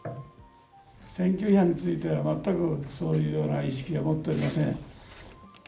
選挙違反について全くそういうような意識を持っておりません。